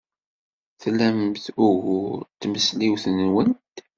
Tlamt ugur d tmesliwt-nwent?